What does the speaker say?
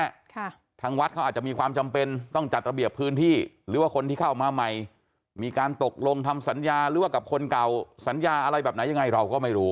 ทางวัดเขาอาจจะมีความจำเป็นต้องจัดระเบียบพื้นที่หรือว่าคนที่เข้ามาใหม่มีการตกลงทำสัญญาหรือว่ากับคนเก่าสัญญาอะไรแบบไหนยังไงเราก็ไม่รู้